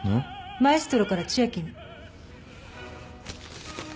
マエストロから千秋に。